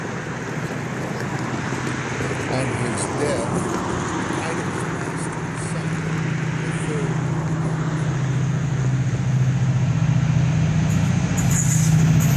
On his death the titles passed to his son, the third Duke.